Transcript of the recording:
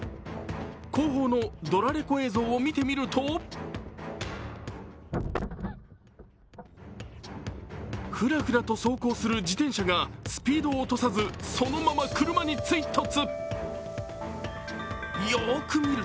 後方のドラレコ映像を見てみるとふらふらと走行する自転車がスピードを落とさずそのまま車に追突。